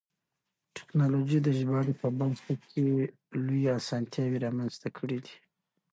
تکنالوژي د ژباړې په برخه کې لویې اسانتیاوې رامنځته کړې دي.